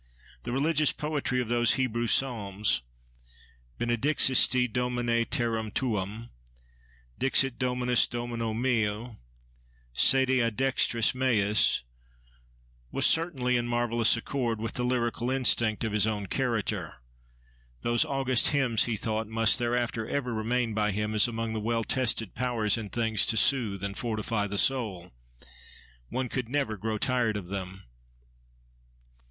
The religious poetry of those Hebrew psalms—Benedixisti Domine terram tuam: Dixit Dominus Domino meo, sede a dextris meis—was certainly in marvellous accord with the lyrical instinct of his own character. Those august hymns, he thought, must thereafter ever remain by him as among the well tested powers in things to soothe and fortify the soul. One could never grow tired of them!